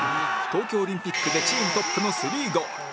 東京オリンピックでチームトップの３ゴール